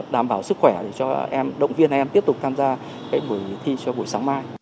đảm bảo sức khỏe để cho em động viên em tiếp tục tham gia